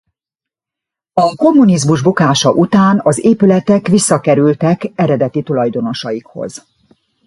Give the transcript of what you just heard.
A kommunizmus bukása után az épületek visszakerültek eredeti tulajdonosaikhoz.